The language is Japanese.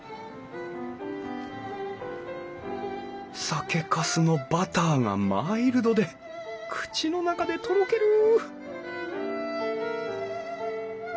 酒かすのバターがマイルドで口の中でとろける！